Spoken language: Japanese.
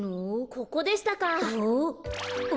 ここでしたか。